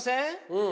うん。